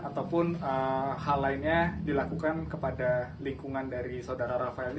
ataupun hal lainnya dilakukan kepada lingkungan dari saudara rafael ini